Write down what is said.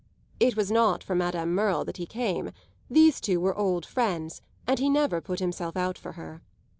It was not for Madame Merle that he came; these two were old friends and he never put himself out for her.